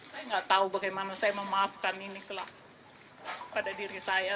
saya nggak tahu bagaimana saya memaafkan ini pada diri saya